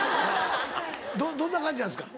どどんな感じなんですか？